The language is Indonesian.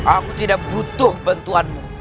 aku tidak butuh bantuanmu